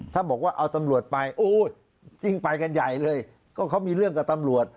ถ้าบอกว่าเอาตำรวจไปโอ้จริงไปกันใหญ่เลยก็เขามีเรื่องกับตำรวจ